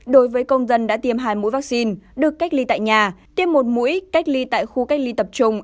đối với công dân đã tiêm hai mũi vaccine được cách ly tại nhà tiêm một mũi cách ly tại khu cách ly tập trung